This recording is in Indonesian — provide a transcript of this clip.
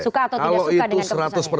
suka atau tidak suka dengan keputusan itu